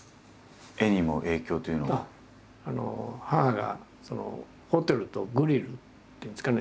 母がホテルとグリルっていうんですかね